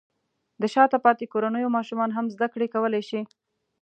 د شاته پاتې کورنیو ماشومان هم زده کړې کولی شي.